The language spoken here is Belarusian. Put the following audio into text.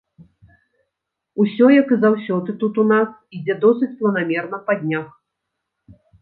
Усё як і заўсёды тут у нас, ідзе досыць планамерна па днях.